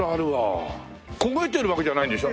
焦げてるわけじゃないんでしょ？